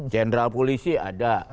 jenderal polisi ada